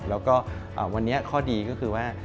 แล้วก็วันนี้ข้อดีก็คือว่า